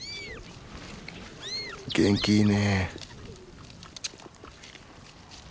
元気いいねえ。